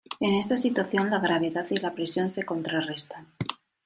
En esta situación, la gravedad y la presión se contrarrestan.